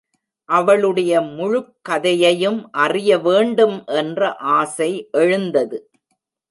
அவளுடைய முழுக்கதையையும் அறிய வேண்டும் என்ற ஆசை எழுந்தது.